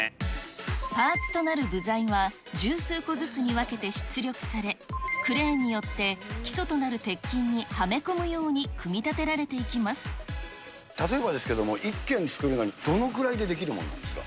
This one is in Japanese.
パーツとなる部材は、十数個ずつに分けて出力され、クレーンによって基礎となる鉄筋にはめ込むように組み立てられて例えばですけども、１軒造るのにどのくらいで出来るもんなんですか。